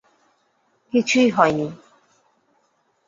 কিছুই হয় নি।